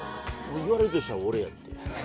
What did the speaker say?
言われるとしたら俺やって絶対。